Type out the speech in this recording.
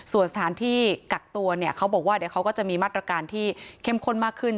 ส่วนสถานที่กักตัวเนี่ยเขาบอกว่าเดี๋ยวเขาก็จะมีมาตรการที่เข้มข้นมากขึ้น